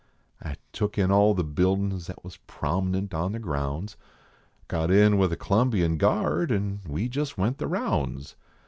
I took in all the bikini s that was prom nent on the grounds. Got in with a C lumbian guard and we jist went the rounds.